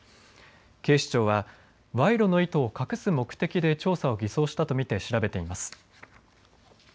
警視庁は賄賂の意図を隠す目的で調査を偽装したと見て調べています。